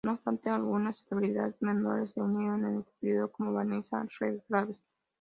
No obstante, algunas celebridades menores se unieron en este periodo, como Vanessa Redgrave.